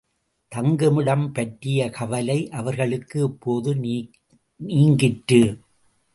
தங்குமிடம் பற்றிய கவலை அவர்களுக்கு இப்போது நீங்கிற்று.